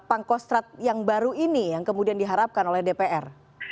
pangkostrat yang baru ini yang kemudian diharapkan oleh dpr